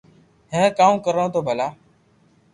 ھي ڪاو ڪرو تو ڀلا